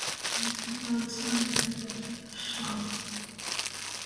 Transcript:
There is also Nataraja shrine.